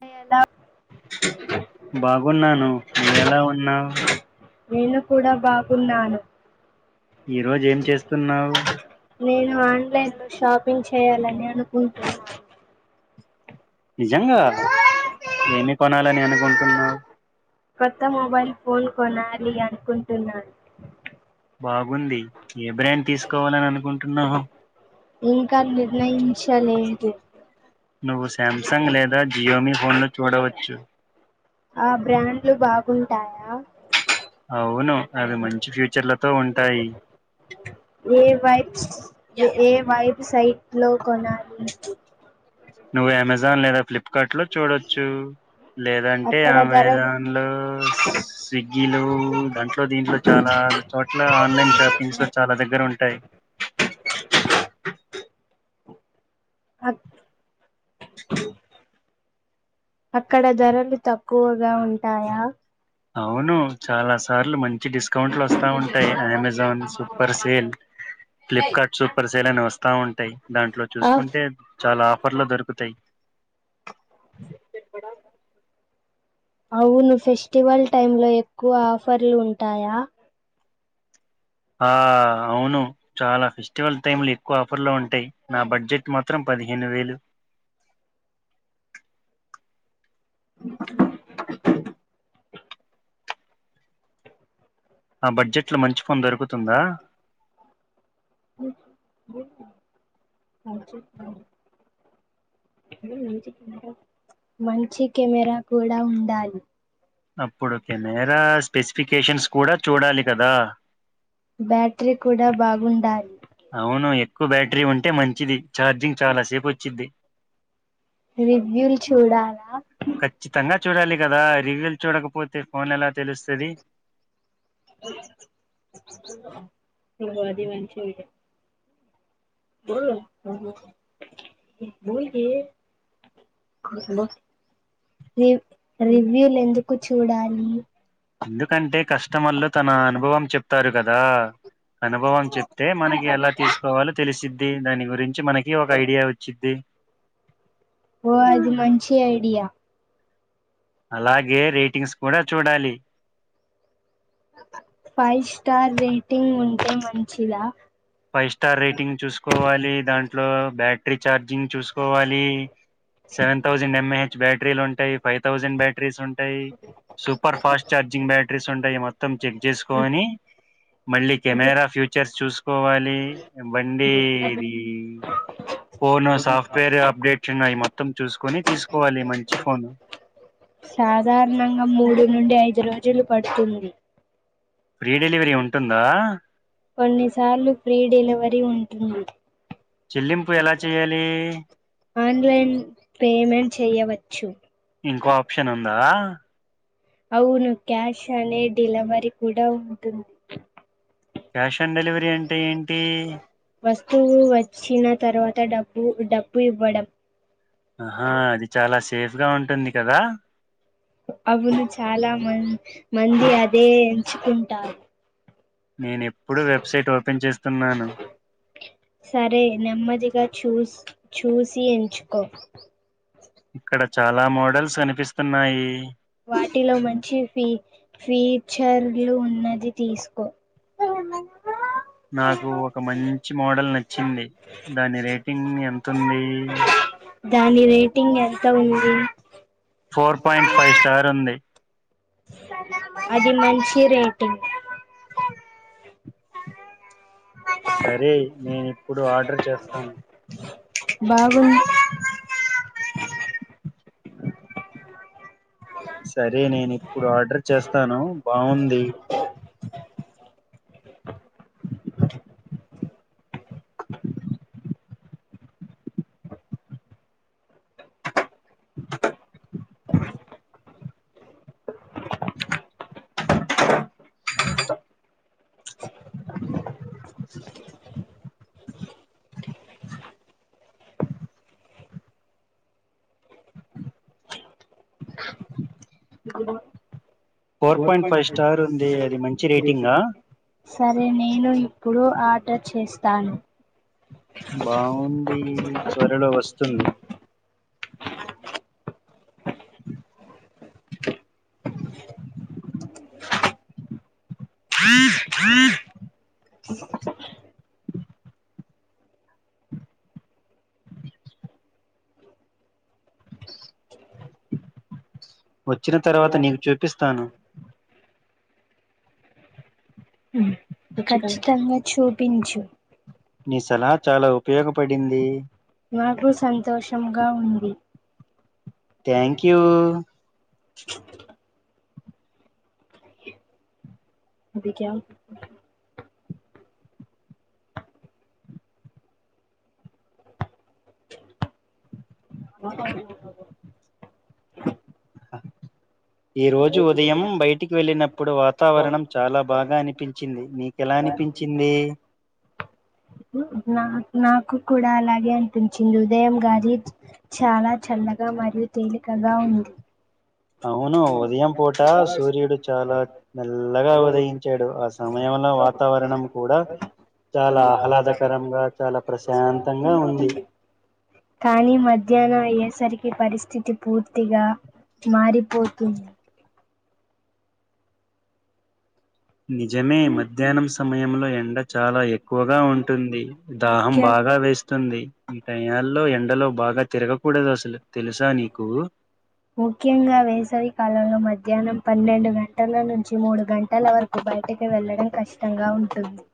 ఆ [unintelligible] బాగున్నాను నువ్వెలా ఉన్నావు నేను కూడా బాగున్నాను ఈ రోజు ఏం చేస్తున్నావు ఆన్లైన్ లో షాపింగ్ చేయాలని అనుకుంటున్నా నిజంగా ఏమి కొనాలని అనుకుంటున్నావు కొత్త మొబైల్ ఫోన్ కొనాలి అనుకుంటున్నా బాగుంది ఏ బ్రాండ్ తీసుకోవాలని అనుకుంటున్నావు ఇంకా నిర్ణయించలేదు నువ్వు సాంసంగ్ లేదా జియోమీ ఫోన్లు చూడవచ్చు ఆ బ్రాండ్లు బాగుంటాయా అవును అవి మంచి ఫ్యూచర్లతో ఉంటాయి ఏ వైబ్ సైట్ లో కొనాలి నువ్వు అమెజాన్ లేదా ఫ్లిప్కార్ట్ లో చూడొచ్చు లేదంటే అక్కడ ధరలు అమెజాన్ లో స్విగ్గీలు దాంట్లో దీంట్లో చాలా చోట్ల ఆన్లైన్ షాపింగ్ లో చాలా దగ్గర ఉంటంది టాయి అక్- అక్కడ ధరలు తక్కువగా ఉంటాయా అవును చాలా సార్లు మంచి డిస్కౌంట్లు వస్త వా ఉంటాయి Amazon super sale Flipkart super sale అని వస్తా ఉంటాయి దాంట్లో ఆఫ్ చూసుకుంటే చాలా ఆఫర్లు దొరుకుతాయి [unintelligible] అవును ఫెస్టివల్ టై లో ఎక్కువ ఆఫర్లు ఉంటాయా ఆ అవును చాలా ఫెస్టివల్ టైమ్లు ఎక్కువ ఆఫర్ లో ఉంటాయి నా బడ్జెట్ మాత్రం పదిహేను వేలు [unintelligible] ఆ బడ్జెట్ లో మంచి ఫోన్ దొరుకుతుందా [inaudible] మ చె మంచి కెమెరా కూడా ఉండాలి అప్పుడు కెమెరా స్పెసిఫికేషన్స్ కూడా చూడాలి కదా బ్యాటరీ కూడా బాగుండాలి అవును ఎక్కువ బ్యాటరీ ఉంటే మంచిది చఛార్జింగ్ చాలాసేపు వచ్చిది రివ్యూలు చూడాలా ఖచ్చితంగా చూడాలి కదా రివ్యూలు చూడకపోతే ఫోన్ ఎలా తెలుస్తుంది ఇ అది మనుషడి బ బల్కి [unintelligible] ర రివ్యూలు ఎందుకు చూడాలి ఎందుకంటే కస్టమర్లు తన అనుభవం చెప్తారు కదా అనుభవం చెప్తే మనకి ఎలా తీసుకోవాలో తెలిసిది దాని గురించి ఛీ మనకి ఒక ఐడియా వచ్చిది ఓ అది మంచి ఐడియా అలాగే రేటింగ్స్ కూడా చూడాలి ఫైవ్ స్టార్ రేటింగ్ ఉంటే మంచిదా ఫైవ్ స్టార్ రేటింగ్ చూసుకోవాలి దాంట్లో బ్యాటరీ చఛార్జింగ్ చూసుకోవాలి seven thousand mAh battery five thousand batteries ఉంట ఉంటాయి సూపర్ ఫాస్ట్ చార్జింగ్ బ్యాటరీస్ ఉంటాయి మొత్తం మొత్త చెక్ చేసుకని మళ్ళీ కెమెరా ఫ్యూచర్స్ చూసు కోవాలి బండేది ఫోన్ సాఫ్ట్వేర్ అప్డేట్షన్యి మ మొత్తం చూసుకొని తీసుకోవాలి మంచి ఫోను సాధారణంగా మూడు నుండి ఐదు రోజులు పడుతుంది ఫ్రీ డెలివరీ ఉంటుందా కొన్నిసార్లు ఫ్రీ డెలివరీ ఉంటున్ చెల్లింపు ఎలా చెయ్యాలి ఆన్లైన్ పేమెంట్ చేయవచ్చు నా అవును క్యాష్ అనే డెలివరీ కూడా ఉంటుంది క్యాష్ ఆన్ డెలివరీ అంటే ఏంటి వస్తువు వచ్చిన తరువాత డబ్బ ఊ డబ్బు ఇవ్వడం ఆహా అది చాలా సేఫ్గా ఉంటుంది కదా అవును చాలా మం మంది అదే ఎంచుకుంటారు నేనెప్ సరే నెమ్మదిగా చూస్ చూసి ఎంచుకో ఇక్కడ చాలా మోడల్స్ కనిపిస్తున్నాయి వాటిలో మంచి ఫీ ఫీచర్లు ఉన్నది తీసుకో నాకు ఒక మంచి మోడల్ నచ్చింది దాని రేటింగ్ ఎంతుంది దాని రే ఫోర్ పాయింట్ ఫైవ్ స్టార్ ఉంది అది మంచి రేటింగ్ సరే నేను ఇప్పుడు ఆర్డర్ చేస్తాను బాగుంది సరే నేను ఇప్పుడు ఆర్డర్ చేస్తాను బావుంది మరి ఇదిగో రేటింగా సరే నేను ఇ ఇప్పుడు ఆర్టర్ చేస్తాను బాగుంది త్వరలో వస్తుంది వచ్చిన తర్వాత నీకు చూపిస్తాను ఇక ఖచ్చితంగా చూపించు నీ సలహా చాలా ఉపయోగపడింది మాకు సంతోషంగా ఉంది థ్యాంక్ యూ దిగాం అహ ఈ రోజు ఉదయం బయటికి వెళ్ళినప్పుడు వాతావరణం చాలా బాగా అనిపించింది మీకెలా అనిపించింది ను నాక్ నాకు కూడా అలాగే అనిపించింది ఉదయం గది చాలా చల్లగా మరియు తె లికగా ఉంది అవును ఉదయం పూట సూర్యుడు చాలా మెల్లగా అ ఉదయించాడు ఆ సమయంలో వాతావరణం కూడా చాలా ఆహ్లాదకరంగా చాలా ప్రశాంతంగా ఉంది కానీ మధ్యాహ్నం ఏ సరికి పరిస్థితి పూర్తిగా మారిపోతుంది నిజమే మధ్యాహ్నం సమయంలో ఎండ చాలా ఎక్కువగా ఉంటుంది దాహం ముఖ్య బాగా వేస్ వస్తుంది ఇ టయాల్లో ఎండలో బాగా తిరగకూడదు అసలు తెలుసా నీకు ముఖ్యంగా వేసవికాలంలో మధ్యాహ్నం పన్నెండు గంటల నుంచి మూడు గంటల వరకు బయటికి వెళ్ళడం కష్టంగా ఉంటుంది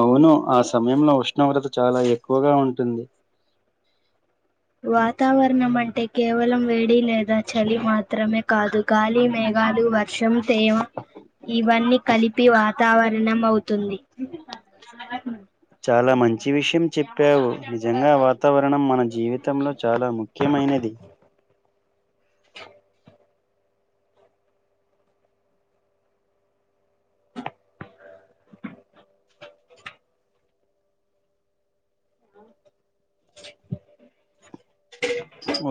అవును ఆ సమయంలో ఉష్ణోగ్రత చాలా ఎక్కువగా ఉంటుంది వాతావరణం అంటే కేవలం వేడి లేదా చలి మాత్రమే కాదు గాలి మేఘాలు వర్షం తేమ ఇవన్నీ కలిపి వాతావరణం అవుతు తుంది చాలా మంచి విషయం చెప్పావు నిజంగా వాతావరణం మన జీవితంలో చాలా ముఖ్యమైనది [inaudible] ఆ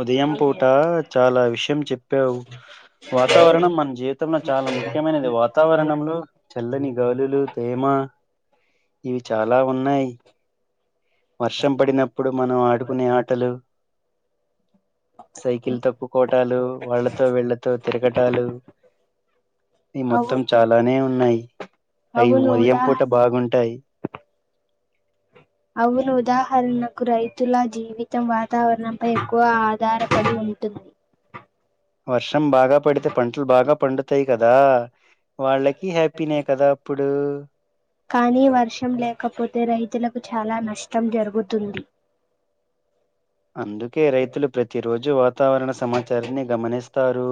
ఉదయం పూట చాలా విషయం చెప్పావు వాతావరణం మన జీవితంలో చాలా ముఖ్యమైనది వాతావరణంలో చల్లని గాలులు తేమ ఇవి చాలా ఉన్నాయి వర్షం పడినప్పుడు మనం ఆడుకునే ఆటలు సైకిల్ తొక్కుకోవటాలు వాళ్లతో విళ్లతో తిరగటాలు ఈ అవు మొత్తం చాలానే ఉన్నాయి అవి అవును ఉదయం ఉదా పూట బాగుంటాయి అవును ఉదాహరణకు రైతుల జీవితం వాతావరణంపై ఎక్కువ ఆధారపడి ఉ ఉంటూ వర్షం బాగా పడితే పంటలు బాగా పండుతాయి కదా వాళ్ళకి హ్యాపీ నే కదా అప్పుడు కానీ వర్షం లేకపోతే రైతులకు చాలా నష్టం జరుగుతుంది అందుకే రైతులు ప్రతిరోజు వాతావరణ సమాచారాన్ని గమనిస్తారు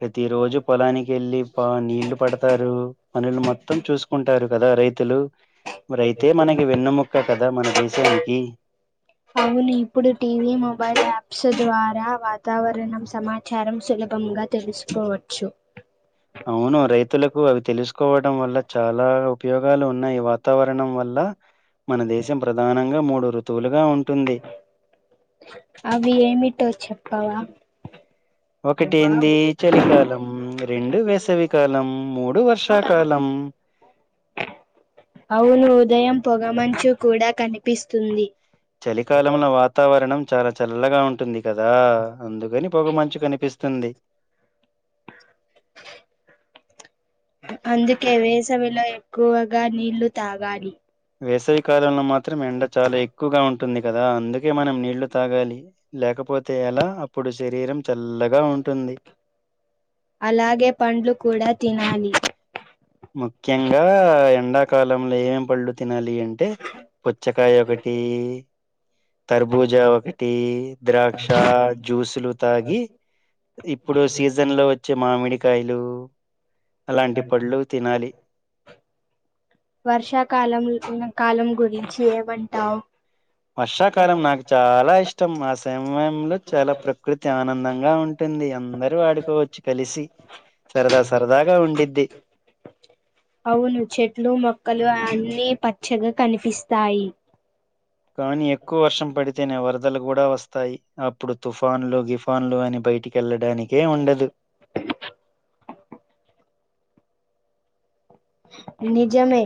ప్రతి రోజు పొలానికి వెళ్ళి బ నీళ్లు పడతారు పనులు మొత్తం చూసుకు ఉంటారు కదా రైతులు రైతే మనకి వెన్నుముక్క కదా మన దేశానికి అవును ఇప్పుడు టీవీ మొబైల్ యాప్స్ ద్వారా వాతావరణం సమాచారం సులభంగా తెలుసుకోవచ్చు అవును రైతులకు అవి తెలుసుకోవడం వల్ల చాలా ఉపయోగాలు ఉన్నాయి వాతావరణం వల్ల మన దేశం ప్రధానంగా మూడు అవి ఏమిటో చెప్పావా ఒకటి ఏందిచలికాలం రెండు వేసవికాలం మూడు వర్షాకాలం అవును ఉదయం పొగమంచు కూడా కనిపిస్తుంది చలికాలంలో వాతావరణం చాలా చల్లగా ఉంటుంది కదా అందుకని పొగ మంచు కనిపిస్తుంది అందుకే వేసవిలో ఎక్కువగా నీళ్లు తాగాలి వేసవికాలంలో మాత్రం ఎండ చాలా ఎక్కువగా ఉం ఉంటుంది కదా అందుకే మనం నీళ్లు తాగాలి లేకపోతే అలా అప్పుడు శరీరం చల్లగా ఉంటుంది. అలాగే పండ్లు కూడా తినాలి ముఖ్యంగా ఎండాకాలంలో ఏమేం పళ్ళు తినాలి అంటే పుచ్చకాయ ఒకటి కర్బుజా ఒకటి ద్రాక్ష జ్యూసులు తాగి ఇప్పుడు సీజన్ లో వచ్చే మామిడి కాయలు అలాంటి పళ్డ్ళు తినాలి వర్షాకాలం కాలం గురించి ఏమంటావు వర్షాకాలం నాకు చాలా ఇష్టం మాసం సమయంలో చాలా ప్రకృతి ఆనందంగా ఉంటుంది అందరుూ ఆడుకోవచ్చు కలిసి సరదా సరదాగా ఉండది అవును చెట్లు మొక్కలు అన్నీ పచ్చగా కనిపిస్తాయి కానీ ఎక్కువ వర్షం పడితేనే వరదలు కూడా వస్తాయి అప్పుడు తుఫాన్లు గిఫాన్లు అని బయటికెళ్లడానికే ఉండదు నిజమే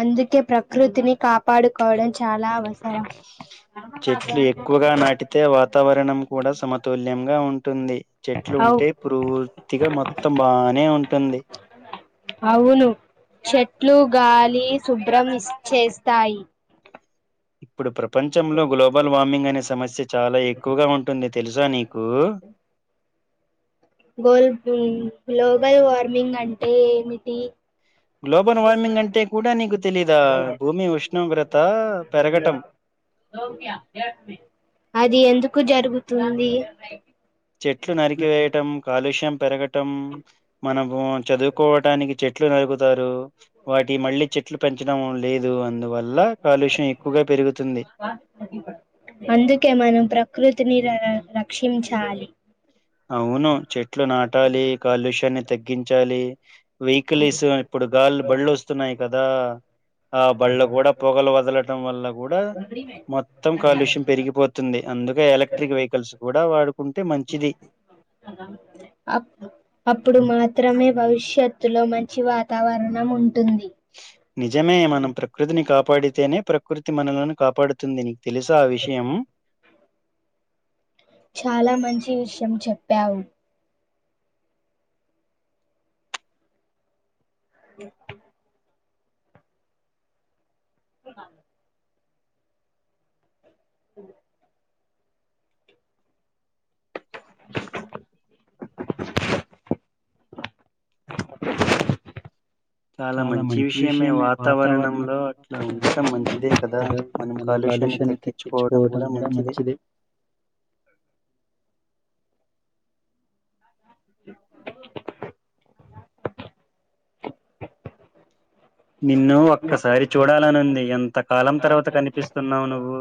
అందుకే ప్రకృతిని కాపాడుకోవడం చాలా అవసరం. చెట్లు ఎక్కువగా నాటితే వాతావరణం కూడా సమతుల్యంగా ఉంటుంది. చెట్లు అవు ఉంటే పూర్తిగా మొత్తం బానే ఉంటుంది. అవును చెట్లు గాలి శుభ్రం చేస్తాయి. ఇప్పుడు ప్రపంచంలో గ్లోబల్ వార్మింగ్ అనే సమస్య చాలా ఎక్కువగా ఉంటుంది తెలుసా నీకు. గోల్ దున్ గ్లోబల్ వార్మింగ్ అంటే ఏమిటి? గ్లోబల్ వార్మింగ్ అంటే కూడా నీకు తెలీదా భూమి ఉష్ణోగ్రత పెరగటం. అది ఎందుకు జరుగుతుంది. చెట్లు నరికివేయటం, కాలుష్యం పెరగటం మనం వాన్ చదువుకోవటానికి చెట్ చెట్లు నరుకుతారు వాటి మళ్ళీ చెట్లు పెంచడం లేదు అందువ అందుకే మనం ప్రకృ తిని ర ర రక్షించాలి అవును చెట్లు నాటాలి, కాలుష్యాన్ని తగ్గించాలి. వెహికలిల్సు ఇప్పుడు గాళ్లు బళ్లు వస్తున్నాయి కదా. ఆ బళ్ళ కూడా పొగలు వదలటం వల్ల కూడా. మొత్తం కాలుష్యం పెరిగిపోతుంది. అందుకే ఎలక్ట్రిక్ వెహికల్స్ కూడా వాడుకుంటే మంచిది అప్ అప్పుడు మాత్ రమే భవిష్యత్తులో మంచి వాతావరణం ఉం నిజమే మనం ప్రకృతిని కాపాడితేనే ప్రకృతి మనలో కాపాడుతుందిని తెలుసా ఆ విషయం చాలా మంచి విషయం చెప్పావు. ఉహు కిమ అ చాలా మంచి విషయమే వాతావరణంలో అట్లా ఉండటం మంచిదే కదా మనం కా పొల్యూషన్ని తగ్గించుకోవడం కూడా మంచిది. [inaudible] నిన్ను ఒక్కసారి చూడాలనుంది ఎంతకాలం తర్వాత కనిపిస్తున్నావు నువ్వు.